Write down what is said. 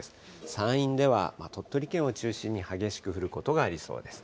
山陰では、鳥取県を中心に激しく降ることがありそうです。